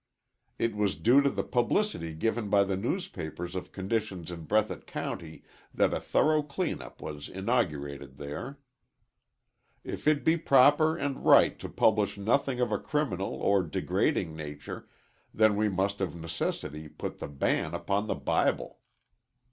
It was due to the publicity given by the newspapers of conditions in Breathitt County that a thorough clean up was inaugurated there. If it be proper and right to publish nothing of a criminal or degrading nature, then we must of necessity put the ban upon the Bible.